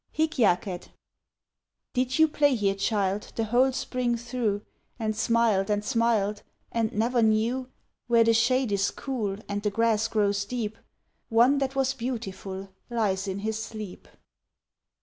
HIC JACET Did you play here child The whole spring through And smiled and smiled And never knew? Where the shade is cool And the grass grows deep, One that was beautiful Lies in his sleep.